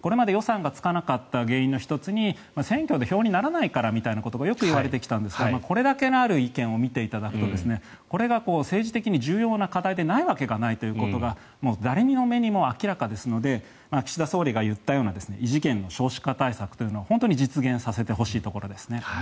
これまで予算がつかなかった原因の１つに選挙で票にならないからみたいなことがよく言われてきたんですがこれだけある意見を見ていただくとこれが政治的に重要な課題でないわけがないということがもう誰の目にも明らかですので岸田総理が言ったような異次元の少子化対策というのは本当に実現させてほしいところですね。